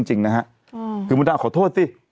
จริงนะฮะคือมดดำขอโทษสิ